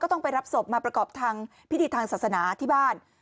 ต้องไปรับศพมาประกอบทางพิธีทางศาสนาที่บ้าน